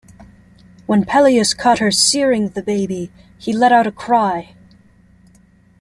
When Peleus caught her searing the baby, he let out a cry.